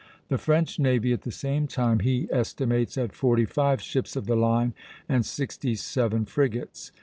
The French navy at the same time he estimates at forty five ships of the line and sixty seven frigates.